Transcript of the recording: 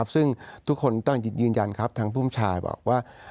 ซึ่งทุกคนต้องยืนยันครับทางภูมิชาบอกว่า